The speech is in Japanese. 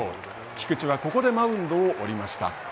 菊池はここでマウンドを降りました。